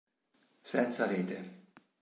Senza rete